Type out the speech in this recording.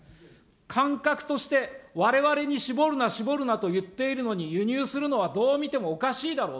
感覚として、われわれに搾るな搾るなと言っているのに、輸入するのはどう見てもおかしいだろう。